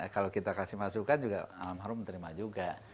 kalau kita kasih masukan juga almarhum terima juga